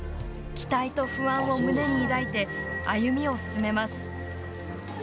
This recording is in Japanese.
期待と不安を胸に抱いて歩みを進めます。